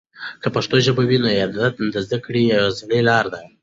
که پښتو ژبه وي، نو دیانت د زده کړې یوازینۍ لاره ده.